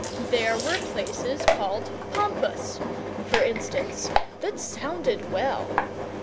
There were places called pampas, for instance, that sounded well.